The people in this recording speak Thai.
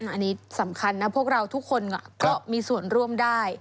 อันนี้สำคัญนะพวกเราทุกคนก็มีส่วนร่วมได้